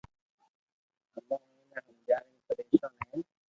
امو اوني ھمجاوين پريݾون ھين